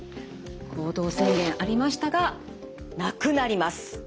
行動制限ありましたがなくなります。